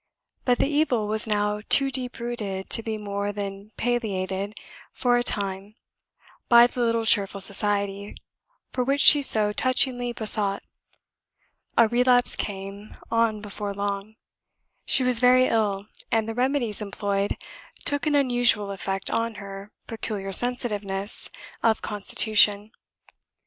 But the evil was now too deep rooted to be more than palliated for a time by "the little cheerful society" for which she so touchingly besought. A relapse came on before long. She was very ill, and the remedies employed took an unusual effect on her peculiar sensitiveness of constitution.